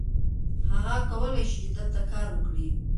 هغه کولی شي چې دلته کار وکړي.